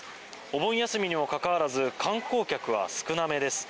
お盆休みにもかかわらず観光客は少なめです。